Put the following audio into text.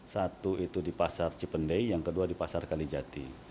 satu itu di pasar cipendei yang kedua di pasar kalijati